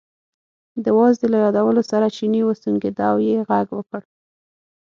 د وازدې له یادولو سره چیني وسونګېده او یې غږ وکړ.